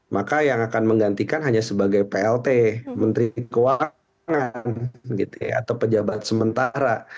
maka yang akan menggantikan hanya sebagai plt menteri keuangan atau pejabat sementara